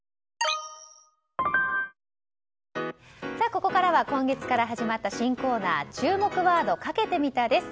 ここからは今月から始まった新コーナー注目ワードかけてみたです。